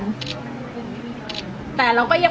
สวัสดีครับ